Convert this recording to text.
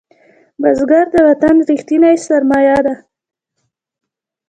بزګر د وطن ریښتینی سرمایه ده